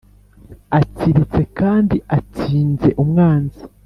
atsiritse kandi atsinze umwanzi